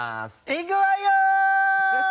いくわよ！